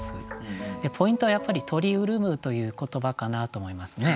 ポイントはやっぱり「鳥潤む」という言葉かなと思いますね。